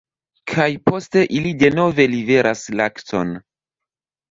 Kaj poste ili denove liveras lakton.